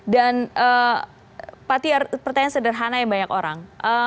dan pak tia pertanyaan sederhana yang banyak orang